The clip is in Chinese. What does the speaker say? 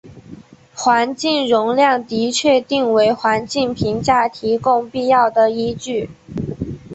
环境容量的确定为环境评价提供必要的依据。